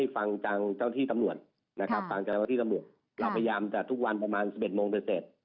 ฟังกันว่าที่สมบูรณ์เราพยายามแต่ทุกวันประมาณ๑๑โมงเป็นเสร็จ